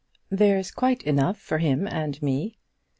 "There's quite enough for him and me."